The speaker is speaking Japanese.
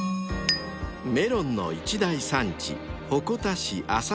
［メロンの一大産地］